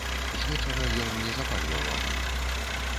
Звечара ён не запальваў агню.